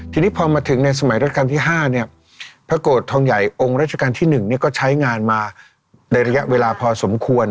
ทีนี้พอมาถึงในสมัยราชการที่๕เนี่ยพระโกรธทองใหญ่องค์ราชการที่๑ก็ใช้งานมาในระยะเวลาพอสมควร